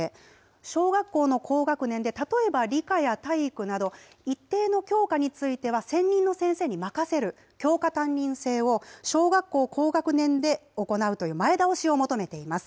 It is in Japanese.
小学校の高学年で、例えば理科や体育など、一定の教科については専任の先生に任せる教科担任制を、小学校高学年で行うという、前倒しを求めています。